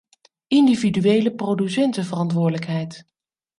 Individuele producentenverantwoordelijkheid.